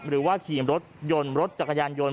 หรือว่าขี่รถยนต์รถจักรยานยนต์